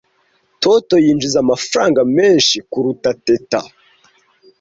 Toto yinjiza amafaranga menshi kuruta Teta .